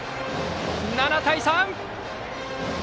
７対３！